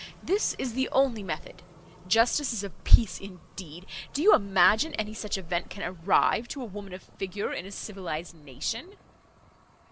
This is the only method. Justices of peace, indeed! do you imagine any such event can arrive to a woman of figure in a civilised nation?"